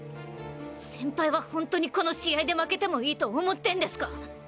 先輩はほんとにこの試合で負けてもいいと思ってんですか？